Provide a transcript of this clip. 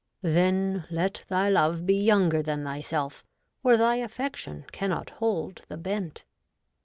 Then let thy love be younger than thyself, Or thy affection cannot hold the bent.'